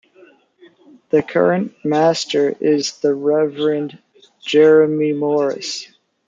The current Master is the Reverend Jeremy Morris.